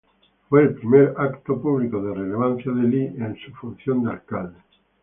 Fue el primer evento público de relevancia de Lee en la función de alcalde.